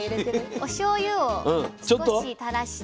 おしょうゆを少したらして。